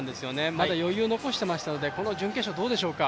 まだ余裕を残していましたので、この準決勝どうでしょうか。